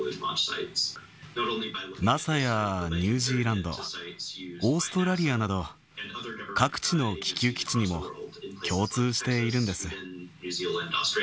ＮＡＳＡやニュージーランド、オーストラリアなど、各地の気球基地にも共通しているんです。